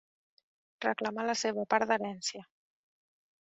Reclamar la seva part d'herència.